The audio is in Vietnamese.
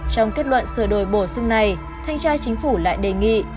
trong kết luận sửa đổi bổ sung này thanh tra chính phủ lại đề nghị